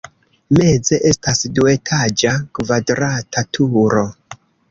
Meze estas duetaĝa kvadrata turo.